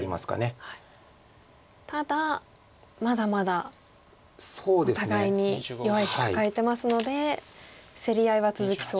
ただまだまだお互いに弱い石抱えてますので競り合いは続きそうですか。